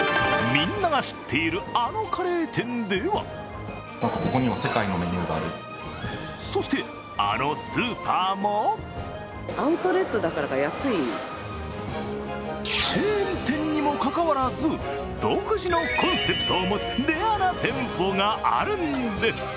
みんなが知っているあのカレー店ではそして、あのスーパーもチェーン店にもかかわらず独自のコンセプトを持つレアな店舗があるんです。